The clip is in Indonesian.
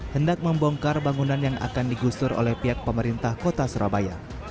hendak membongkar bangunan yang akan digusur oleh pihak pemerintah kota surabaya